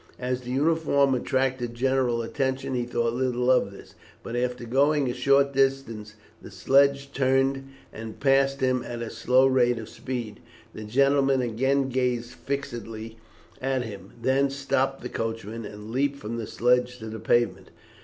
As the uniform attracted general attention he thought little of this, but after going a short distance the sledge turned and passed him at a slow rate of speed. The gentleman again gazed fixedly at him, then stopped the coachman, and leaped from the sledge to the pavement.